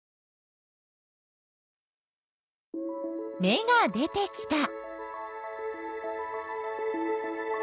芽が出てきた。